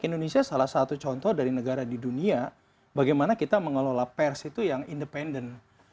indonesia salah satu contoh dari negara di dunia bagaimana kita mengelola pers itu yang independen